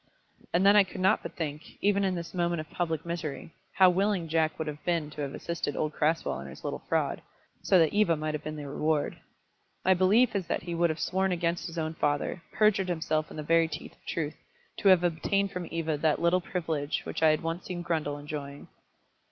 And then I could not but think, even in this moment of public misery, how willing Jack would have been to have assisted old Crasweller in his little fraud, so that Eva might have been the reward. My belief is that he would have sworn against his own father, perjured himself in the very teeth of truth, to have obtained from Eva that little privilege which I had once seen Grundle enjoying.